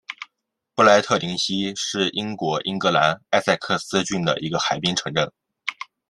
布赖特灵西是英国英格兰埃塞克斯郡的一个海滨城镇。